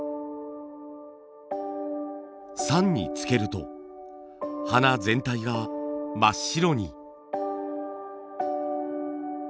酸につけると花全体が真っ白に。